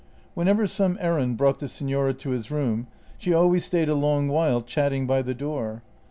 Whenever some errand brought the signora to his room she al ways stayed a long while chatting by the door.